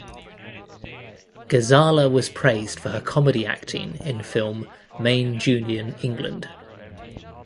Ghazala was praised for her comedy acting in film Main Julian England.